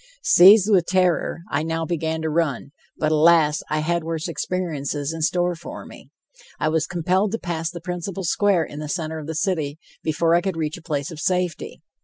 Seized with terror, I now began to run, but, alas, I had worse experiences in store for me. I was compelled to pass the principal square in the center of the city before I could reach a place of safety.